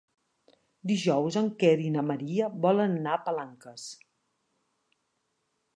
Dijous en Quer i na Maria volen anar a Palanques.